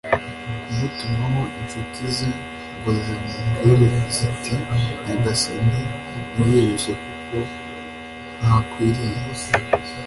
kumutumaho incuti ze ngo zimubwire ziti nyagasani ntiwirushye kuko ntakwiriye